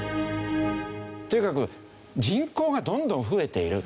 とにかく人口がどんどん増えている。